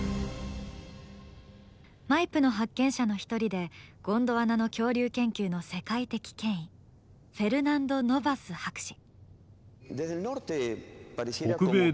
マイプの発見者の一人でゴンドワナの恐竜研究の世界的権威フェルナンド・ノバス博士。